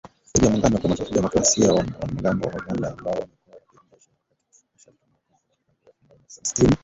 Vikosi vya Muungano wa Kidemokrasia, wanamgambo wa Uganda ambao wamekuwa wakiendesha harakati zao mashariki mwa Kongo tangu miaka ya elfu moja mia tisa tisini.